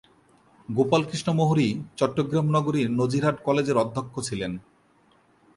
গোপাল কৃষ্ণ মুহুরী চট্টগ্রাম নগরীর নাজিরহাট কলেজের অধ্যক্ষ ছিলেন।